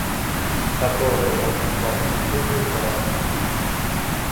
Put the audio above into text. La torre occupa un intero isolato.